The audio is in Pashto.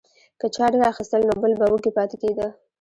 که چا ډیر اخیستل نو بل به وږی پاتې کیده.